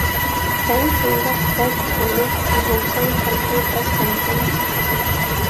سەن شۇنداق بەك ئۇلۇغ بولساڭ خەلقى پەس دەمسەن.